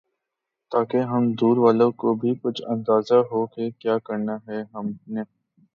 تاکہ ہم دور والوں کو بھی کچھ اندازہ ہوکہ کیا کرنا ہے ہم نے